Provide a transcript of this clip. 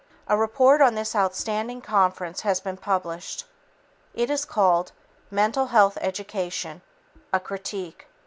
A report on this outstanding conference has been published. It is called "Mental Health Education: A Critique."